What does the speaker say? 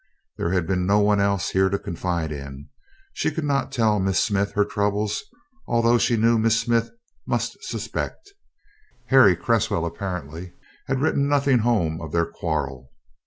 There had been no one else here to confide in. She could not tell Miss Smith her troubles, although she knew Miss Smith must suspect. Harry Cresswell, apparently, had written nothing home of their quarrel.